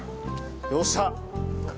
よっしゃ！